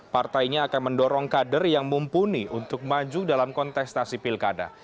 partainya akan mendorong kader yang mumpuni untuk maju dalam kontestasi pilkada